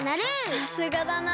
さすがだなあ。